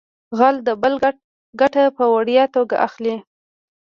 غل د بل ګټه په وړیا توګه اخلي